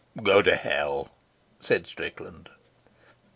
"Go to hell," said Strickland.